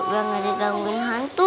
biar nggak digangguin hantu